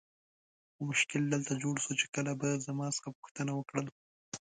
خو مشکل دلته جوړ سو چې کله به یې زما څخه پوښتنه وکړل.